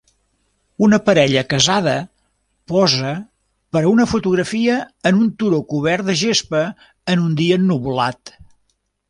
Una parella casada posa per a una fotografia en un turó cobert de gespa en un dia ennuvolat.